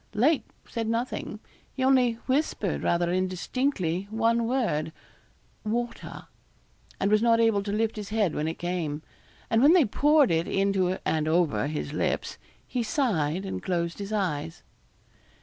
Lake said nothing he only whispered rather indistinctly one word, 'water' and was not able to lift his head when it came; and when they poured it into and over his lips, he sighed and closed his eyes.